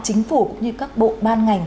chính phủ cũng như các bộ ban ngành